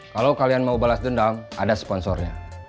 kalau kalian mau balas dendam ada sponsornya